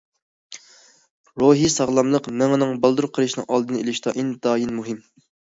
روھىي ساغلاملىق مېڭىنىڭ بالدۇر قېرىشىنىڭ ئالدىنى ئېلىشتا ئىنتايىن مۇھىم.